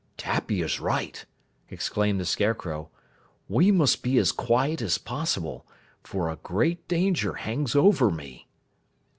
"Tappy is right!" exclaimed the Scarecrow. "We must be as quiet as possible, for a great danger hangs over me."